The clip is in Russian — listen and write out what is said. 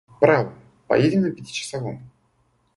Право, поедем на пятичасовом!